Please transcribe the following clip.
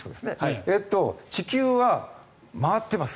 地球は回ってます。